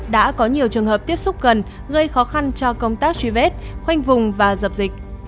đã có nhiều trường hợp tiếp xúc gần gây khó khăn cho công tác truy vết khoanh vùng và dập dịch